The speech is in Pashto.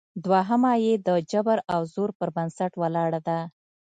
دوهمه یې د جبر او زور پر بنسټ ولاړه ده